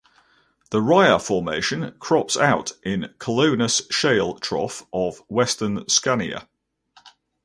The Rya Formation crops out in Colonus Shale Trough of western Scania.